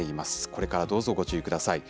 これからどうぞご注意ください。